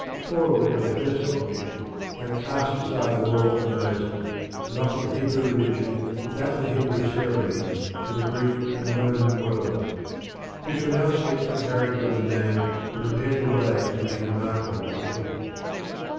Foiled in their first object, they cast aside the law of Moses and offered the Hebrew religion without the Hebrew ceremonies to the Greek and Roman world. We shall now sketch the character of the man who prepared the way for this remarkable event.